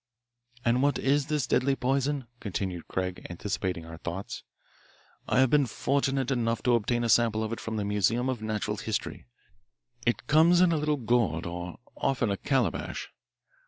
"And what is this deadly poison?" continued Craig, anticipating our thoughts. "I have been fortunate enough to obtain a sample of it from the Museum of Natural History. It comes in a little gourd, or often a calabash.